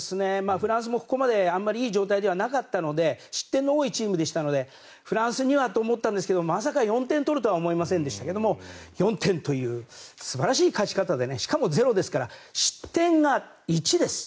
フランスもここまであまりいい状態ではなかったので失点の多いチームでしたのでフランスにはと思いましたがまさか４点取るとは思いませんでしたが、４点という素晴らしい勝ち方でしかもゼロですから失点が１です。